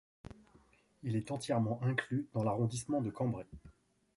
Il est entièrement inclus dans l'arrondissement de Cambrai.